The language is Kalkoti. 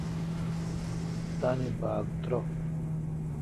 تان باگ ترو۔